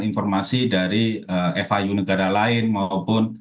informasi dari fiu negara lain maupun